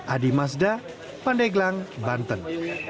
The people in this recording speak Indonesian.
adi mazda pandeglang banten